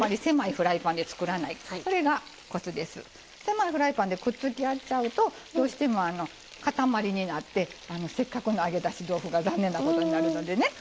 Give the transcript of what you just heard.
狭いフライパンでくっつき合っちゃうとどうしてもかたまりになってせっかくの揚げだし豆腐が残念なことになるのでね。